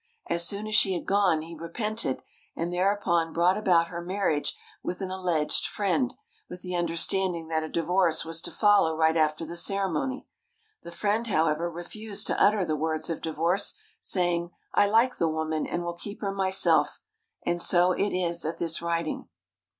As soon as she had gone he repented, and there 225 THE HOLY LAND AND SYRIA upon brought about her marriage with an alleged friend, with the understanding that a divorce was to follow right after the ceremony. The friend, however, refused to utter the words of divorce, saying, "I like the woman and will keep her myself/' and so it is at this writing.